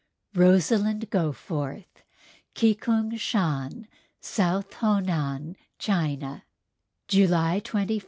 ROSALIND GOFORTH. Kikungshan, South Honan, China, July 24, 1920.